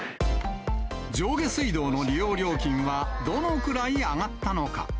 上下水道の利用料金はどのくらい上がったのか。